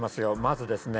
まずですね